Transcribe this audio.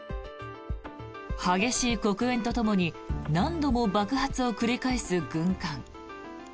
激しい黒煙とともに何度も爆発を繰り返す軍艦。